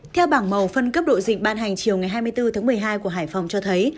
theo bảng màu phân cấp độ dịch ban hành chiều ngày hai mươi bốn tháng một mươi hai của hải phòng cho thấy